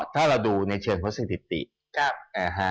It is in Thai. ถ้าเราดูในเชิงความสินคิดถิติ